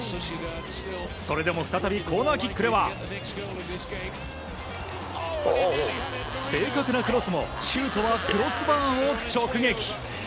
それでも再びコーナーキックでは正確なクロスもシュートはクロスバーを直撃。